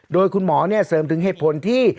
โดยคุณหมอเสริมถึงเหตุผลที่